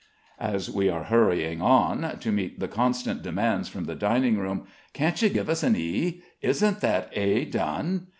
As we are hurrying on, to meet the constant demands from the dining room, "Can't you give us an E?" "Isn't that A done?"